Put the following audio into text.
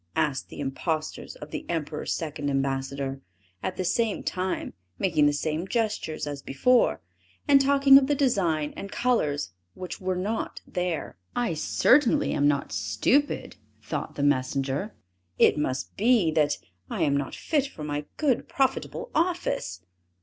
asked the impostors of the Emperor's second ambassador; at the same time making the same gestures as before, and talking of the design and colors which were not there. "I certainly am not stupid!" thought the messenger. "It must be, that I am not fit for my good, profitable office!